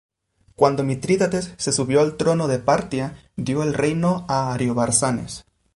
Cuando Mitrídates, se subió al trono de Partia, dio el reino a Ariobarzanes.